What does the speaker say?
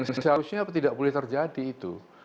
seharusnya tidak boleh terjadi itu